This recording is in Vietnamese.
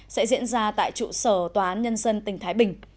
sẽ diễn ra tại trụ sở tòa án nhân dân tỉnh thái bình